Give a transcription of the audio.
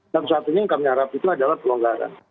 satu satunya yang kami harap itu adalah pelonggaran